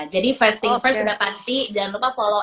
jadi first thing first udah pasti jangan lupa follow